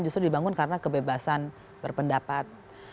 justru dibangun karena kebebasan berpendapat